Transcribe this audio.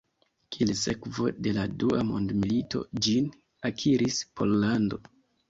Kiel sekvo de la Dua mondmilito, ĝin akiris Pollando.